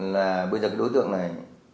là bây giờ đối tượng này